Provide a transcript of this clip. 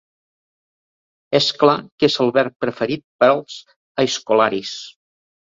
És clar que és el verb preferit pels aizkolaris.